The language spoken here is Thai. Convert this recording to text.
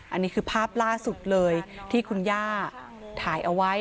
อันนี้คือภาพล่าสุดเลยที่คุณย่าถ่ายเอาไว้